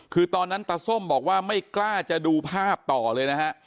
คือตอนนั้นตาส้มบอกว่าไม่กล้าจะดูภาพต่อเลยนะฮะ